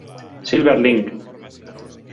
Silver Link